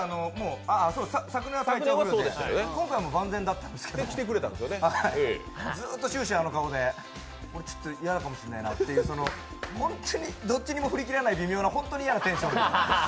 昨年は体調不良で今回は万全だったんですけどずーっと終始あの顔で、俺、ちょっと駄目かもしれないなとかホントにどっちにも振り切らない、本当に嫌なテンションで。